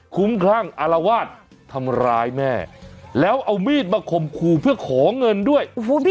คุ้มคลั่งอารวาสทำร้ายแม่แล้วเอามีดมาข่มขู่เพื่อขอเงินด้วย